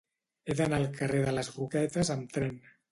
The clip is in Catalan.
He d'anar al carrer de les Roquetes amb tren.